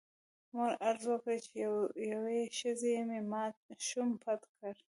مور عرض وکړ چې یوې ښځې مې ماشوم پټ کړی.